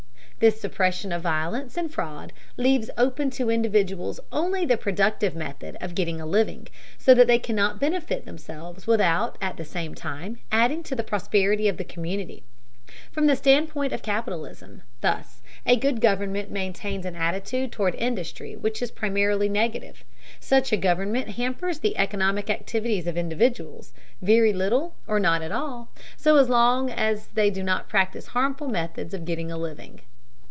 This suppression of violence and fraud leaves open to individuals only the productive method of getting a living, so that they cannot benefit themselves without at the same time adding to the prosperity of the community. From the standpoint of capitalism, thus, a good government maintains an attitude toward industry which is primarily negative: such a government hampers the economic activities of individuals very little or not at all, so long as they do not practice harmful methods of getting a living.